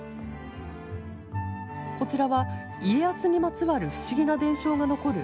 こちらは家康にまつわる不思議な伝承が残る八幡宮。